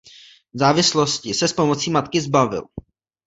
Závislosti se s pomocí matky zbavil.